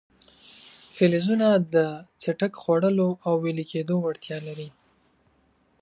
فلزونه د څټک خوړلو او ویلي کېدو وړتیا لري.